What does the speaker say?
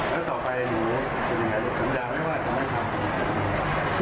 แล้วต่อไปอย่างไรสัญญาไม่ว่าจะไม่ทำ